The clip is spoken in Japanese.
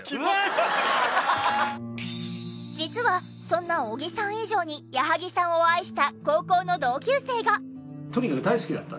実はそんな小木さん以上に矢作さんを愛した高校の同級生が。